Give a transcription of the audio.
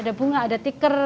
ada bunga ada tikar